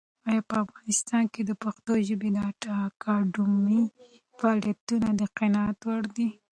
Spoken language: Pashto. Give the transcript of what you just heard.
ایا په افغانستان کې د پښتو ژبې د اکاډمۍ فعالیتونه د قناعت وړ دي؟